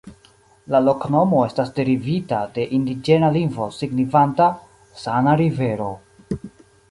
La loknomo estas derivita de indiĝena lingvo signifanta: "sana rivero".